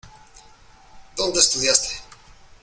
¿Dónde estudiaste?